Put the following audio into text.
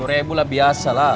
sepuluh ribu lah biasa lah